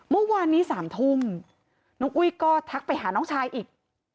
เมื่อวานนี้๓ทุ่มน้องอุ้ยก็ทักไปหาน้องชายอีก